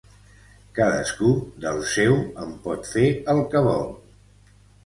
Cadascú del seu en pot fer el que vol.